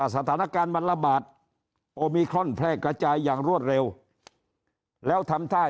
สถานการณ์มันระบาดโอมิครอนแพร่กระจายอย่างรวดเร็วแล้วทำท่า